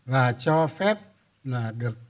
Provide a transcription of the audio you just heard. và cho phép là được